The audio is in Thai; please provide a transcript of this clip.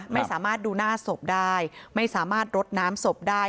ไม่สามารถดูหน้าศพได้ไม่สามารถรดน้ำศพได้